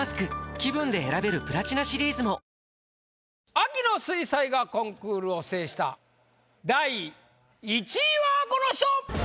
秋の水彩画コンクールを制した第１位はこの人！